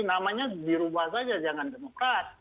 namanya dirubah saja jangan demokrat